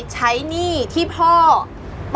ใช่ครับ